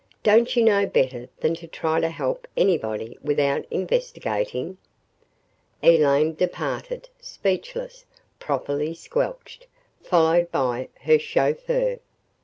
"Don't you know better than to try to help anybody without INVESTIGATING?" Elaine departed, speechless, properly squelched, followed by her chauffeur.